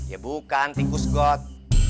ya bukan tikus got